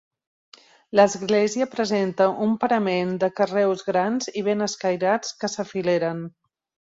L'església presenta un parament de carreus grans i ben escairats que s'afileren.